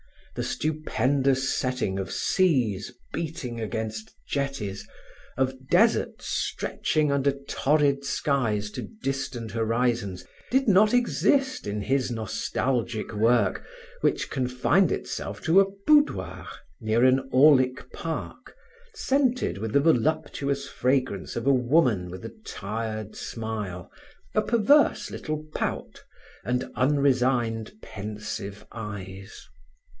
The stupendous setting of seas beating against jetties, of deserts stretching under torrid skies to distant horizons, did not exist in his nostalgic work which confined itself to a boudoir, near an aulic park, scented with the voluptuous fragrance of a woman with a tired smile, a perverse little pout and unresigned, pensive eyes.